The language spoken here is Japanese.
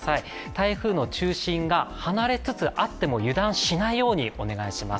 台風の中心が離れつつあっても油断しないようにお願いします。